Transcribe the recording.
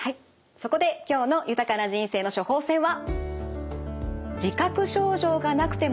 そこで今日の「豊かな人生の処方せん」は。